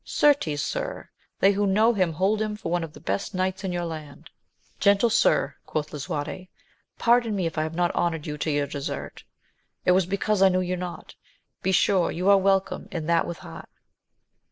— Certes, sir, they who know him hold him^ for one of the best knights in your land. Gentle sir, quoth Lisuarte, pardon me if I have not honoured you to your desert : it was because I knew you not ; besure you are welcome, and that with heart.